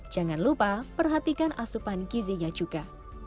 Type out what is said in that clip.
jangan lupa perhatikan asupan gizinya juga